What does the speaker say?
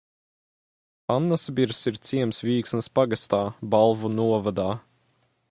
Annasbirzs ir ciems Vīksnas pagastā, Balvu novadā.